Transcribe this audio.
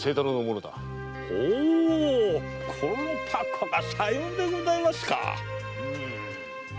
おおこの凧がさようでございますか！